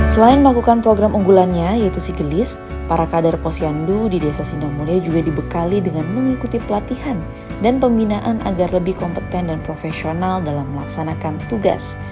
selain melakukan program unggulannya yaitu si kelis para kader posyandu di desa sindangmulya juga dibekali dengan mengikuti pelatihan dan pembinaan agar lebih kompeten dan profesional dalam melaksanakan tugas